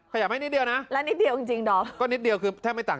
ขยับให้นิดเดียวนะแล้วนิดเดียวจริงจริงเหรอก็นิดเดียวคือแทบไม่ต่าง